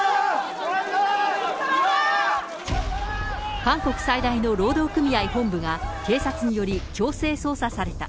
韓国最大の労働組合本部が、警察により強制捜査された。